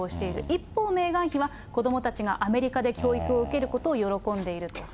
一方、メーガン妃は、子どもたちがアメリカで教育を受けることを喜んでいると。